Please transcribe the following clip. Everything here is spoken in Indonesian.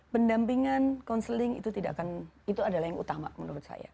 pendampingan konseling itu tidak akan itu adalah yang utama menurut saya